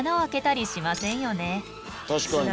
確かに。